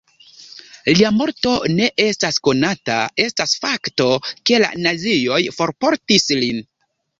Lia morto ne estas konata, estas fakto, ke la nazioj forportis lin.